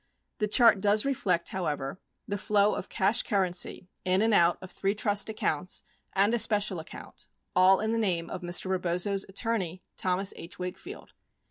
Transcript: The chart does reflect, however, the flow of cash currency in and out of three trust accounts and a special account, all in the name of Mr. Rebozo's attorney, Thomas H. Wakefield.